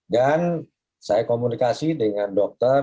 dan saya komunikasi dengan dokter